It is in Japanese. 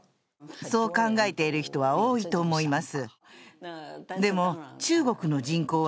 そう考えている人は多いと思います。